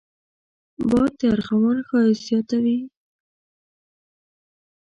باد د ارغوان ښايست زیاتوي